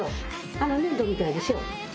あの粘土みたいでしょ。